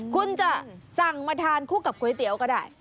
คุณจะสั่งมาทานคู่กับก๋วยเตี๋ยวก็ได้